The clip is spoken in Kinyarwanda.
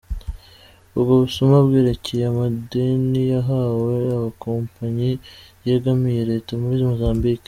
Ubwo busuma bwerekeye amadeni yahawe amakompanyi yegamiye reta muri Mozambique.